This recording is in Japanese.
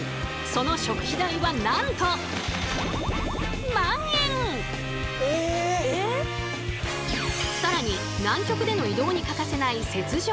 その食費代はなんと更に南極での移動に欠かせない雪上車。